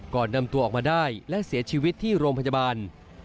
ก่อนนำตัวออกมาได้และเสียชีวิตที่โรงพยาบาล